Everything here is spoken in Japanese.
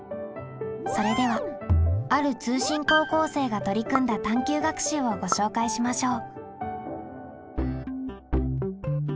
それではある通信高校生が取り組んだ探究学習をご紹介しましょう。